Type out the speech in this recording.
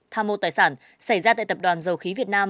tham mô tài sản xảy ra tại tập đoàn dầu khí việt nam